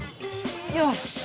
よし！